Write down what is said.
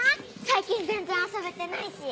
最近全然遊べてないし。